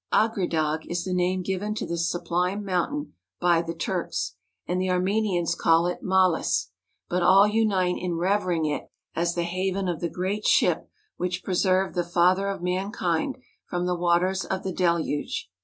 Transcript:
Agridagh is the name given to this sublime mountain by the Turks; and the Armenians call it Malis; but all unite in revering it as the haven of the great ship which preserved the father of man¬ kind from the waters of the deluge.